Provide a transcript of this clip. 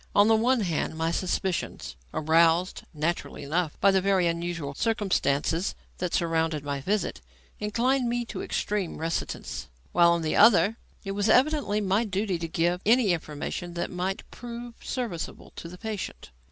On the one hand my suspicions aroused, naturally enough, by the very unusual circumstances that surrounded my visit inclined me to extreme reticence; while, on the other, it was evidently my duty to give any information that might prove serviceable to the patient.